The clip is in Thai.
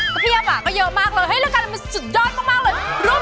ก็เพียบอ่ะก็เยอะมากเลยเฮ้ยรายการมันสุดยอดมากเลย